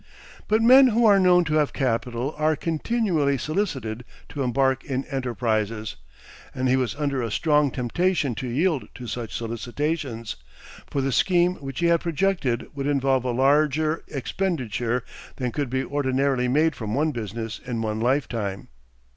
But men who are known to have capital are continually solicited to embark in enterprises, and he was under a strong temptation to yield to such solicitations, for the scheme which he had projected would involve a larger expenditure than could be ordinarily made from one business in one lifetime.